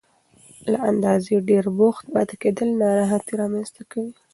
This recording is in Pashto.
له اندازې ډېر بوخت پاتې کېدل ناراحتي رامنځته کوي.